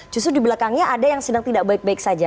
justru di belakangnya ada yang sedang tidak baik baik saja